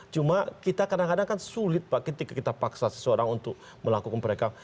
cuma kita kadang kadang kan sulit pak ketika kita paksa seseorang untuk melakukan merekam